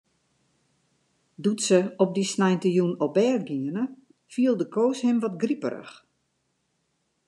Doe't se op dy sneintejûn op bêd giene, fielde Koos him wat griperich.